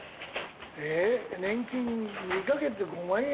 年金２カ月で５万円？